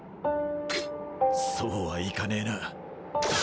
そうはいかねぇな。